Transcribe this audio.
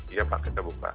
iya pak kita buka